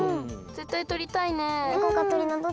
ぜったいとりたいね。